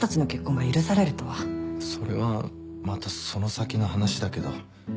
それはまたその先の話だけど。